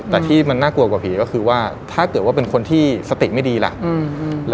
แต่ที่มันน่ากลัวกว่าผีก็คือว่าถ้าเกิดว่าเป็นคนที่สติไม่ดีล่ะ